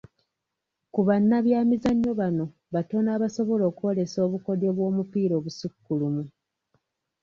Ku bannabyamizannyo bano batono abasobola okwolesa obukodyo bw'omupiira obusukkulumu.